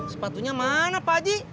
sepatunya mana pak aji